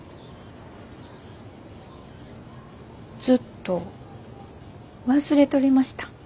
ずっと忘れとりました。